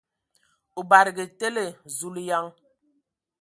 O badǝgǝ tele ! Zulǝyan!